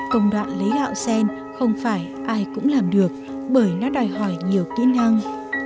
công đoạn lấy gạo sen không phải ai cũng làm được bởi nó đòi hỏi nhiều kỹ năng